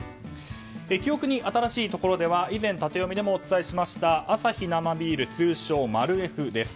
記憶に新しいところでは以前タテヨミでもお伝えしましたアサヒ生ビール通称マルエフです。